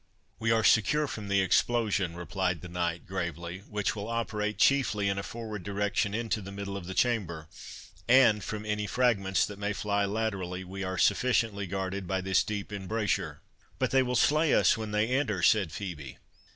"We are secure from the explosion," replied the knight, gravely, "which will operate chiefly in a forward direction into the middle of the chamber; and from any fragments that may fly laterally, we are sufficiently guarded by this deep embrasure." "But they will slay us when they enter," said Phœbe.